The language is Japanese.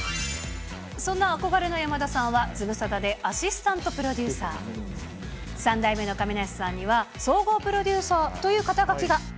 そんな憧れの山田さんは、ズムサタでアシスタントプロデューサー、３代目の亀梨さんには、総合プロデューサーという肩書が。